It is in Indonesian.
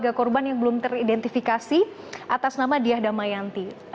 keluarga korban yang belum teridentifikasi atas nama diyah damayanti